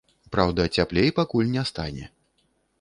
Праўда, цяплей пакуль не стане.